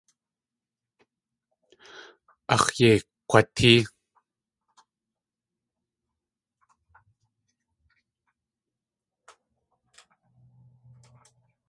Áx̲ yei akg̲watée.